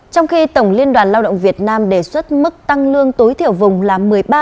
trong khi tổng liên đoàn lao động việt nam đề xuất mức tăng lương tối thiểu vùng là một mươi ba